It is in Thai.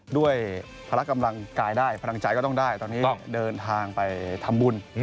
พละกำลังกายได้พลังใจก็ต้องได้ตอนนี้ต้องเดินทางไปทำบุญ